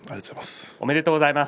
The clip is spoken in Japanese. おめでとうございます。